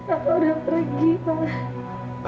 aku sudah pergi pa